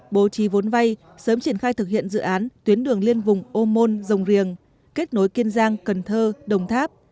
bố trí vốn vay sớm triển khai thực hiện dự án tuyến đường liên vùng ô môn rồng riềng kết nối kiên giang cần thơ đồng tháp